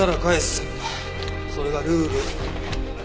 それがルール。